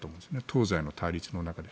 東西の対立の中で。